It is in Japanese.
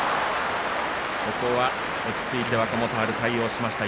ここは落ち着いて若元春対応しました。